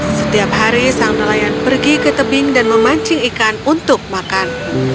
setiap hari sang nelayan pergi ke tebing dan memancing ikan untuk makan